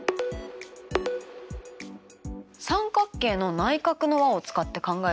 三角形の内角の和を使って考えると？